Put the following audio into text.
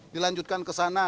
dilanjutkan ke sana